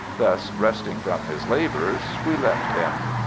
Thus resting from his labors, we left him.